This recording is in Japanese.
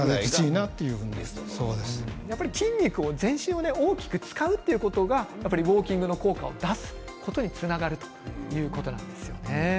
筋肉、全身を大きく使うということがウォーキングの効果を出すことにつながるということなんですよね。